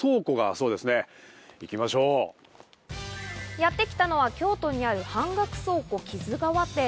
やってきたのは京都にある半額倉庫、木津川店。